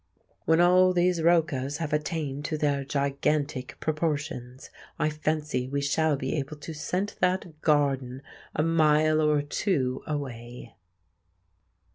When all these Roccas have attained to their gigantic proportions, I fancy we shall be able to scent that garden a mile or two away!